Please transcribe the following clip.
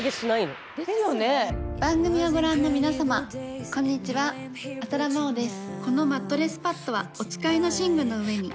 番組をご覧の皆様、こんにちは、浅田真央です。